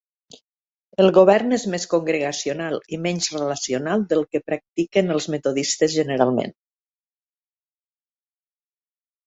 El govern és més congregacional i menys relacional del que practiquen els metodistes generalment.